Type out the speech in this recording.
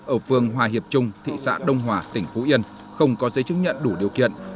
ở phương hòa hiệp trung thị xã đông hòa tỉnh phú yên không có giấy chứng nhận đủ điều kiện